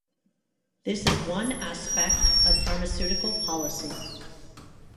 This is one aspect of pharmaceutical policy.